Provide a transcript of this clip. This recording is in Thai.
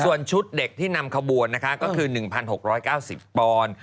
ส่วนชุดเด็กที่นำขบวนนะคะก็คือ๑๖๙๐ปอนด์